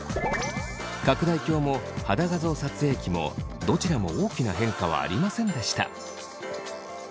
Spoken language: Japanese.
拡大鏡も肌画像撮影機もどちらも大きな変化はありませんでした。